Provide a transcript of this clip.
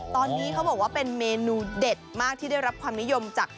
ตอนนี้เขาบอกว่าเป็นเมนูเด็ดมากที่ได้รับความนิยมจาก